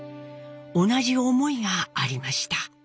同じ思いがありました。